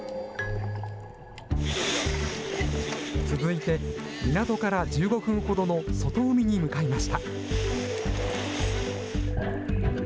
続いて、港から１５分ほどの外海に向かいました。